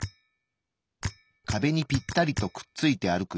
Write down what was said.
壁にぴったりとくっついて歩く